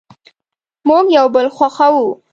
مونږ یو بل خوښوو